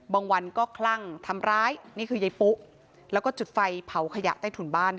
บางวันก็คลั่งทำร้ายจะจุดไฟเผาขยะใต้ถุงบ้าน